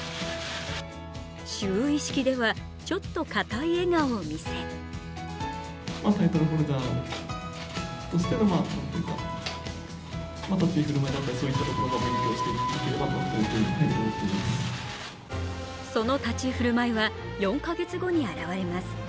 就位式ではちょっと硬い笑顔を見せその立ち居ふるまいは４か月後に現れます。